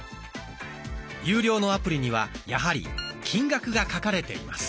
有料のアプリにはやはり金額が書かれています。